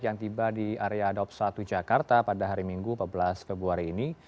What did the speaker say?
yang tiba di area daup satu jakarta pada hari minggu empat belas februari ini